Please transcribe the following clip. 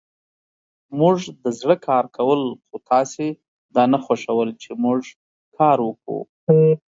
موژدزړه کارکول خوتاسی دانه خوښول چی موژکاروکوو